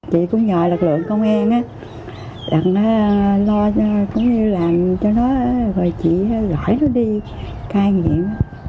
chị cũng nhờ lực lượng công an đặt nó lo làm cho nó rồi chị gọi nó đi cay nghiện